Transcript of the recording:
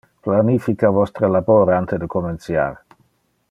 Planifica vostre labor ante de comenciar.